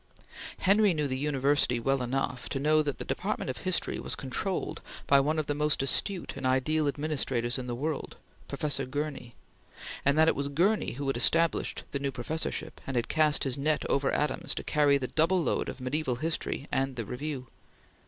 Henry knew the university well enough to know that the department of history was controlled by one of the most astute and ideal administrators in the world Professor Gurney and that it was Gurney who had established the new professorship, and had cast his net over Adams to carry the double load of mediaeval history and the Review.